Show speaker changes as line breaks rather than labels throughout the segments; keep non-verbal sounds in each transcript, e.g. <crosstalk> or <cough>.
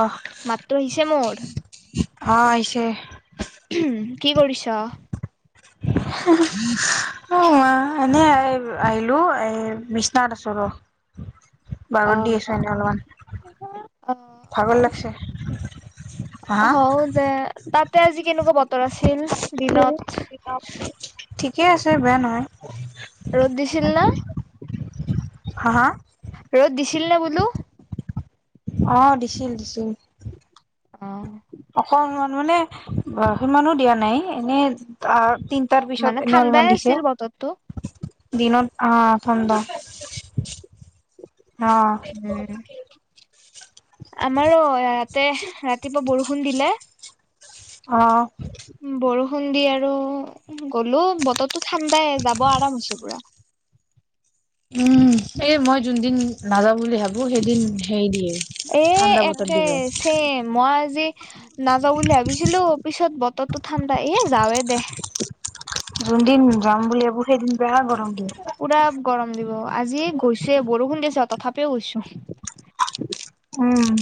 অহ
মাত্ৰ আহিছে মোৰ
অ আহিছে
কি কৰিছ
অ এনেই আহিলো এই বিছনা আছ
অ
বাগত দি আছো এই অলপমান ভাগত লাগিছে হা
হও দে তাতে আজি কেনেকুৱা বতৰ আছিল দিনত
কিতাপ ঠিকে আছে বেয়া নহয়
ৰ'দ দিছিল না
হা হা
ৰ'দ দিছিল নে বোলো
অহ দিছিল দিছিল
অ
অকনমান মানে সিমানো দিয়া নাই এনে আ তিনটাৰ পিছত
মানে
এনে অলমান
ঠাণ্ডাই
দিছে
আছিল বতৰটো
দিনত অ ঠাণ্ডা অ
উম আমাৰো ইয়াতে ৰাতিপুৱা বৰষুণ দি লে
অ
বৰষুণ দি আৰু গলো বতৰটো ঠাণ্ডাই যাব আৰাম হৈছে পুৰা
উম এই মই যোন দিন নাযাওঁ বুলি ভাবো সেইদিন হেৰি দিয়ে
এ
ঠাণ্ডা বতৰ
একে
দিব
চেম মই আজি নাযাওঁ বুলি ভাবিছিলো পিছত ব তৰতো ঠাণ্ডা এ যাৱে দে
যোন দিন যাম বুলি ভাবো সেইদিন বেয়া গৰম দিয়ে
পুৰা গৰম দিব আজি গৈছোয়ে বৰষুণ দিছে তথাপিও গৈছো
উম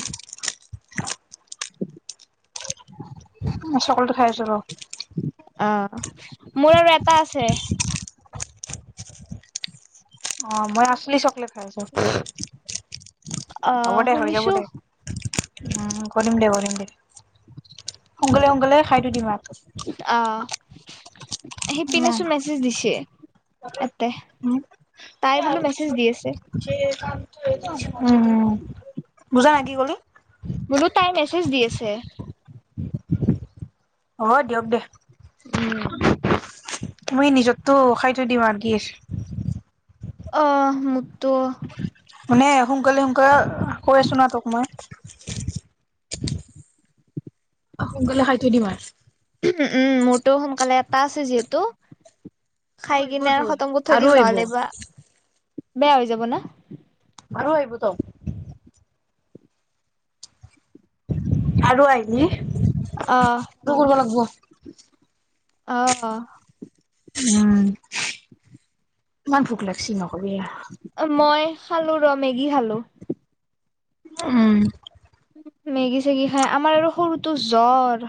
চকলেট খাই আছো ৰ
অহ মোৰ আৰু এটা আছে
অ মই আচলি চকলেট খাই আছো
অ
হ'ব দে হৈ যাব
শুনিছো
দে উম কৰিম দে কৰিম দে সোনকালে সোনকালে খাই থৈ দিম আও
সিপিনে চোন মেছেজ দিছে এতে তাই বোলো মেছেজ দি আছে
টো এইটো উম বুজা নাই কি ক'লি
বোলো তাই মেছেজ দি আছে
হব দিয়ক দে
উম
তুমি নিজতটো খাই থৈ দিবা আৰু কি আছ
অ মোক
মানে সোনকালে সোন কা কৈ আছো ন তোক মই সোনকালে খাই থৈ দিম আৰ
উম উম মোৰতো সোনকালে এটা আছে যিহেতু খাই
আহিব
কিনে আৰু
তোৰ
খতম কৰি থৈ
আৰু
দিম
আহিব
নহ'লে বা। বেয়া হৈ যাব ন।
মাৰ আহিবোত। <unintelligible> আৰু আহিলি
অ
কটো কৰিব লাগিব।
অহ।
উম ইমান ভুোক লাগচ ন। সবিয়ে।
মই খালো ৰ মেগী খালো।
উ'ম।
মেগী চেগী খাই আমাৰ আৰু সৰুটো জ্বৰ।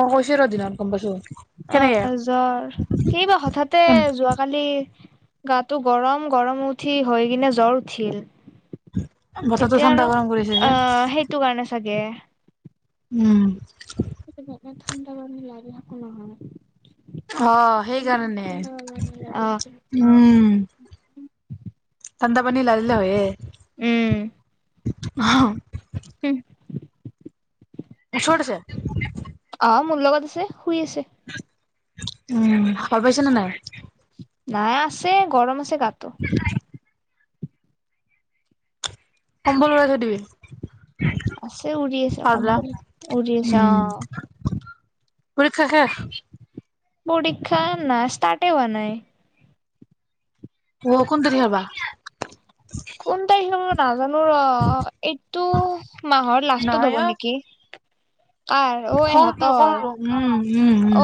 অ কৈছ ৰ দিনত গম পাইছো। কেনেকে
অ জ্বৰ কেইবা হঠাতে যোৱাকালি। গাটো গৰম গৰম উঠি হৈ কিনে জ্বৰ উঠিল।
বছৰটো
এতিয়া আৰু
ঠানডা গৰম কৰিছে যে।
আহ সেইটো কাৰণে চাগে।
উম।
গৰমে ঠাণ্ডা গৰমে লাগোক নহয়।
অ সেইকাৰণে
অ
উম। দা পানী লাগালিল হয়য়ে।
উম।
হা।
উম।
ওচৰত আছে।
অ মোৰ লগত আছে শুই আছে।
উম ভ পাইছে নে নাই।
নাই আছে গৰম আছে। কাত।
এক ব ল থ দিবি।
আছে উৰি আছে কম
পাগলা
উৰি আছে অ।
উৰি কাকে।
পৰীক্ষা ন ষ্টাৰ্টৱ নাই।
বৰষুণৰতেতিয়া হবা।
কোন তাৰিখে ম নাজানো ৰ এইটো মাহৰ লাষ্টত হ'ব নেকি। কাৰ অ
হ হ
ইহঁতৰ
উম উম উম।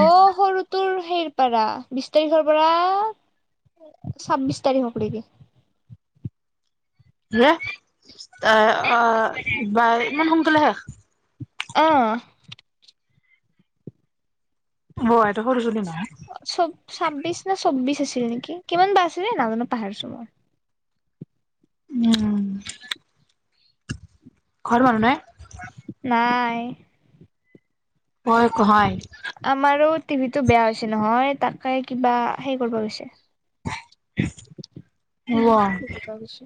সৰ পাৰা বিশ তাৰিখৰ পৰা ছাব্বিশ তাৰিখক কৰিবি।
এ আহ বা ইমান সোনকালে হে।
অহ।
বহ এই টো
ছাব্বিশ নে ছৌ্বিশ ছিল নেকি কিমান বাছিল নে নাজানো পাহাৰিছো মই
উম ঘৰ মানুহ নাই
নাই
হয় কহাৰ
আমাৰো টিভিটো বেয়া হৈছে নহয় তাকে কিবা হে কৰিব গৈছে উম সেইটো
অ'
ভাবছে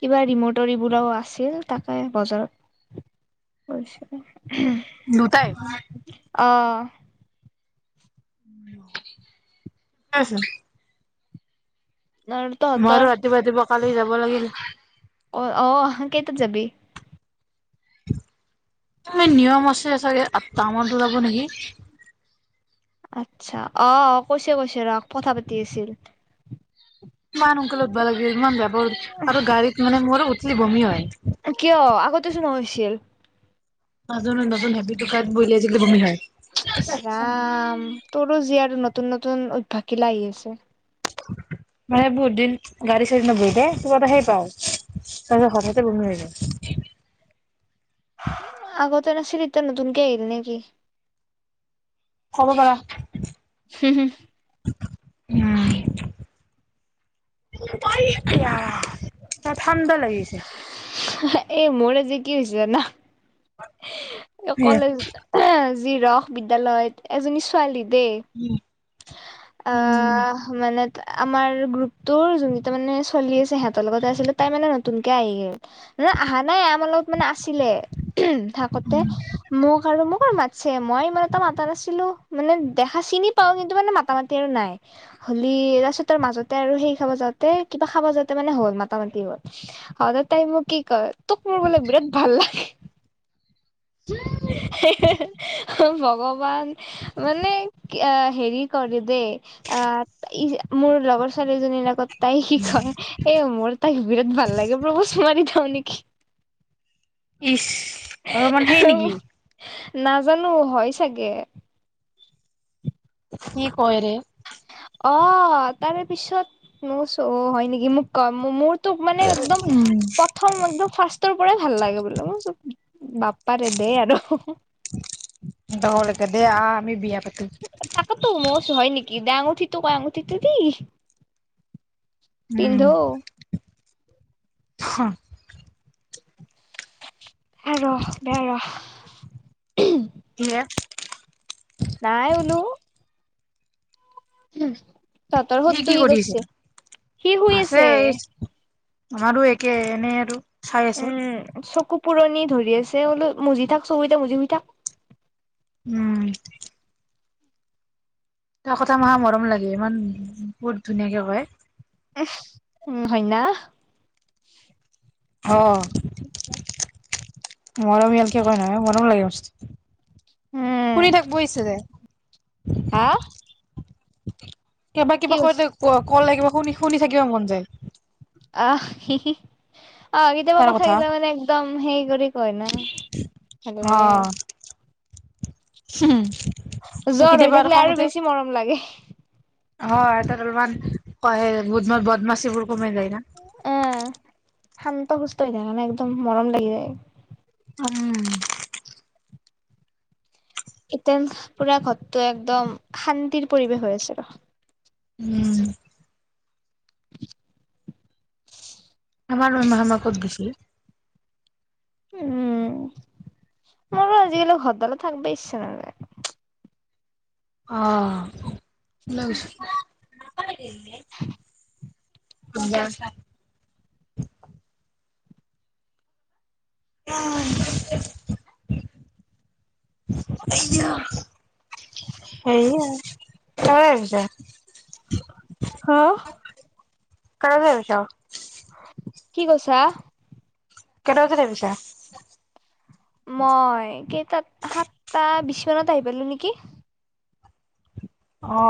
কিবা ৰিমটৰ বিলাক <unintelligible> ও আছিল তাকে বজাৰত কৰিছিল
লুতাই
অঁ
কি আছে
ন তহতৰ
ৰাতিপুৱা ৰাতিপুৱা কালি যাব লাগিল
অ অ অ কেইটাত যাবি
নিয়ম আছে চাগে ত <unintelligible> টামান ওলাব নেকি
আচ্ছা অ অ কৈছে কৈছে ৰ কথা পাতি আছিল
ইমান অংক উব <unintelligible> লাগিল ইমান বেপৰ আৰু গাড়ীত মানে মোৰ উঠলি বমি হয়
চ ন <unintelligible> হৈছিল
নাজু নতুন হেবি টোক বলিয়াইছিলে বুমি হয়
ইচৰাম তোৰো যীয় আৰু ন নতুন নতুন অভ্যাসীলা আহি আছে
মানে বহুত দিন গাড়ী চ়ি ন বহ দে ত কথা সেই পা <unintelligible> তাৰ হঠাতে বমি হৈ যায়
আগতে নাছিল এতিয়া নতুনকে আহিল নেকি
খোৱাব পাৰা
হুম হুম
উম ত ঠাণ্ডা লাগিছে
এ মোৰ আজি কি হৈ হৈছে জানা
সেয়া
অকলে জিৰক বিদ্যালয়ত এজনী ছোৱালী দেই অ
উম
মানে মানে আমাৰ গ্ৰুপটোৰ যোন কেইটা মানে চলি আছে সিহঁতৰ লগতে আছিলে তাই মানে নতুনকে আহিলে ন আহা নাই আমাৰ লগত মানে আছিলে থাকোতে মোক আৰু মোক মা মই মানে টা মাতা নাছিলো মানে দেখা চিনিত পাও কিন্তু মানে মাতা মাটি আৰু নাই হলি তাৰপিছত তাৰ মাজতে আৰু সেই খাব যাওঁতে কিবা খাব যাওঁতে মানে হ'ল মাতা মাতি হল তাই মোক কি কয় তোক মোৰ বোলে বিৰাট ভাল লাগে ভগৱান মানে কি আহ হেৰি কৰে দেই আহ ই মোৰ লগৰ ছোৱালীজনীৰ লগত তাই কি কয় এ মোৰ তাইক বিৰাট ভাল লাগে প্ৰপ'জ মাৰি থওঁ নেকি
ইচ অলপমান সেই নেকি
নাজানো হয় চাগে
কি কয়ৰে
অ তাৰে পিছত ম হয় নেকি মোক ক মোৰ মানে একদম প্ৰথম ফাৰ্ষ্ট ৰ পৰাই ভাল লাগে বোলে ম চব বাপ্পাৰেদে আৰু
যাব লাগে দেয়া আহ আমি বিয়া পাতিম
তাকতো মই হয় নেকি দা আঙুঠিতো কয় আঙুঠিত দি পিন্ধু
হা
বেয়া ৰহ ৰহ
কিহে
নাই বোলো উম ততৰ
সি
সতটো কি
কৰি আছে
কৰিছে সি শুই আছে
আমাৰো একে এনে আৰু চাই আছো
উম চকু পুৰণি ধৰি আছে বোলো মুজি থাক চকু কেইতা মুদি থাক
উম তাৰ কথা মা মৰম লাগে ইমান বহুত ধুনীয়াকে কয়
উম হয়না
আহ মৰমি হালকে ক নাই মৰম লাগে মছ্ত <unintelligible>
উম
ফুৰি থাক বহিছে যে
হা
কিবা
কি
কিবা
কৈছ
কৈতে কলে কিবা শুনি শুনি থাকিব মন যায়
আহ অ কেতিয়াবা
তাৰ কথা
কথাাকিলা মানে একদম হেই কৰি ক ন ভাল লাগে
হম
জ্বৰ হৈ থাকিলে আৰু বেছি মৰম লাগে
হয় তাত অলপমান ব বদমাচ বোৰ কমাই যায় ন
এ শান্ত সুস্থ হৈ থাক নে একদম মৰম লাগি যায়
উম
ইতে পুৰা ঘৰটো একদম শান্তিৰ পৰিৱেশ হৈ আছে ৰ
উম
<inaudible>
আমাৰ মই মামাকদ গছিলি
উম মাৰো আজিকালি ঘৰদাল থাকিব ইচছা নযায়
অ লগ এনে মোবাইল চাই <unintelligible> আহ এয়া সেই হয়ছা
হা
কনে চছা
কি কৈছা
কেনে বছিল দে পিছে <unintelligible>
মই কে সাতটা বিছ ফনত আহি পালো নেকি
অ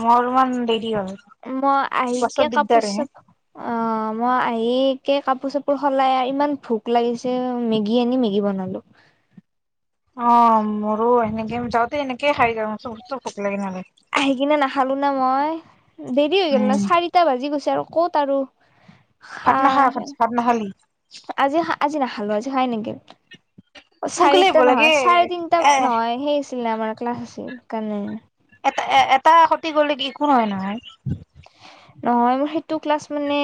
মোৰ ম দে
মই আহি কিয় কাপোৰ
হে
চাপ অ মই আহিকে কাপোৰ চাপোৰ সলাই ইমান ভোক লাগিছে মেগী আনি মেগী বনালো
অ মোৰ এনেকে যওঁতে এনেকে খাই যাওঁ লাগে নহ'লে।
আহি কিনে নাখালো ন মই দেৰি হৈ গ'ল না চাৰিটা বাজি গৈছে আৰু ক'ত আৰু
ভাত
খাই
নাকাল ভাত নখালি
আজি আজি নাখালো আজি হয় নেকি অ
সোনকালে আহিব
চাৰিটা নহয়
লাগে
চাৰে তিনটা
এ
নহয় সেই ছিল আমাৰ ক্লাছ আছিল কাৰণে
এটা এ এটা সতি গলে একো নহয় নহয়
নহয় মোৰ সেইটো ক্লাছ মানে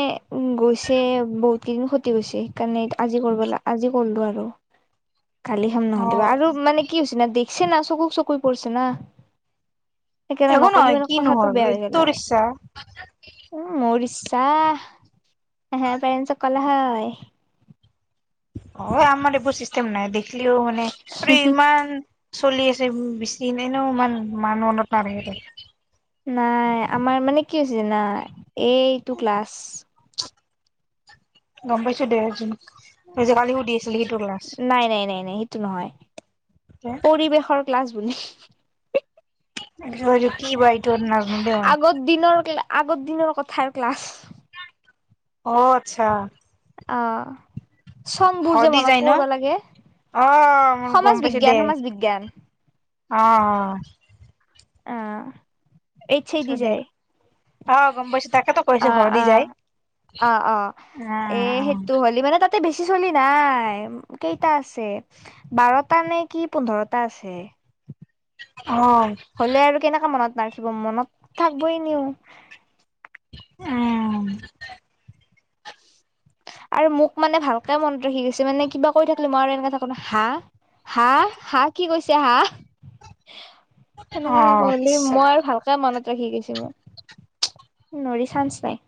গৈছে বহুত কেইদিন খতি গৈছে সেইকাৰণে আজি কৰিবাগ আজি কৰলো আৰু খালি খাম নহ
অ'।
দিব আৰু মানে কি হ হৈছে না দেখ চে না চকুক চকু পৰিছে না সেইকাৰণে
একো
নকলে
নহয়
মানে
কিনো
কথাটো
হ'ল
বেয়া হ'ব
তোৰ
নহয়
ইচ্ছা
উম মোৰ ইচ্া <unintelligible> চাহ পেৰেণ্ছ কলা হয়।
অ আমাৰ এইবোৰ চিষ্টেম নাই দেই। আচিও মানে ইমান। চলি আছে বেছিন ন ইমান মান মনত নে।
নাই আমাৰ মানে কি হৈ হৈছে নাই। এইটো ক্লাছ।
গম পাইছো দেৰজন। নিইজ কালি সুধি আছিলো সিটোৰ লাছ।
নাই নাই নাই নাই সেইটো নহয় পৰিৱেশৰ ক্লাছ। আপুনি।
কি বাইটোৰ নাজ ন দে মই।
আগৰ দিনৰ আগৰ দিনৰ কথাই ক্লাছ।
অ আচ্ছা।
অহ।
হ
চংবোৰ যে
দি
মনত
যায় ন'
পৰিব লাগে
অ', মোৰ গম
সমাজ
পাইছো দে
বিজ্ঞান সমাজ বিজ্ঞান।
অ।
অহ। এই চ দি
অ', দে
যায়।
অ গম পাই ছো।
অ অ অ অ এ
অ',
সেইটো হ'লে মানে তাতে বেছি। চলি নাই কেইটা আছে বাৰটা নে কি পোন্ধৰটা আছে।
হয়।
ৰাখিব মনত থাকিবই নিও।
উম।
আৰু মোক মানে ভালকে মনত ৰাখি গৈছে। মানে কিবা কৈ থাকিলি মায়ে আৰু এনেকোৱা কথা কয় হাঁহ। হা হা কি কৈছ? টা সেনেকে
অ',
নকলি
আচ্ছা
মই আৰু ভালকে মনত। ৰাখি গৈছে মই নোৱাৰি চান্স নাই।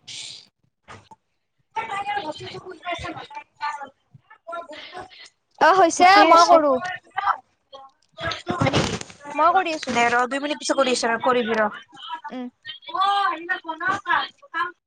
বস্তু।
অ হৈছে মই কৰো। মই কৰি আছো
দে ৰ দুই মিনিট পিছত কৰি আছ ৰ কৰিবি ৰ।
উম
<unintelligible>